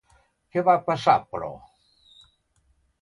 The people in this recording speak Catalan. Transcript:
Què va passar però?